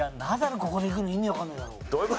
ここでいくの意味わかんねえだろ。